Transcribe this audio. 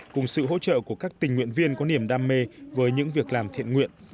cùng sự hỗ trợ của các tình nguyện viên có niềm đam mê với những việc làm thiện nguyện